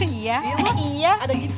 iya ada kita